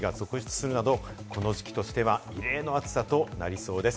全国各地でも真夏日が続出するなど、この時期としては異例の暑さとなりそうです。